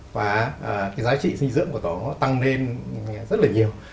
và cái giá trị dinh dưỡng của nó tăng lên rất là nhiều